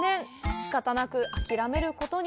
仕方なく諦めることに。